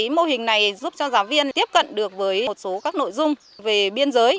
mô hình này giúp cho giáo viên tiếp cận được với một số các nội dung về biên giới